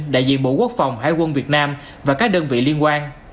đại diện bộ quốc phòng hải quân việt nam và các đơn vị liên quan